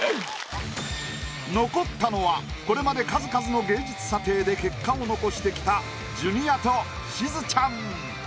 残ったのはこれまで数々の芸術査定で結果を残してきたジュニアとしずちゃん。